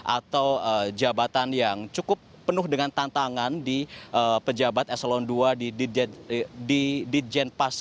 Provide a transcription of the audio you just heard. atau jabatan yang cukup penuh dengan tantangan di pejabat eselon ii di di jenpas